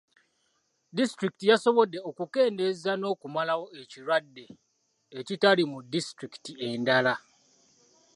Disitulikiti yasobodde okukendeeza n'okumalawo ekirwadde, ekitali mu disitulikiti endala.